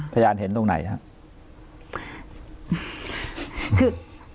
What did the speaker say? พยานเห็นตรงไหนครับ